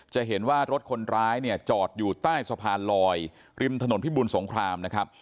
จะเห็นว่ารถคนร้ายเนี่ยจอดอยู่ใต้สะพานลอยริมถนนพิบูลสงครามนะครับ